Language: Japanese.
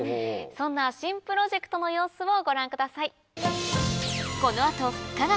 そんな新プロジェクトの様子をご覧ください。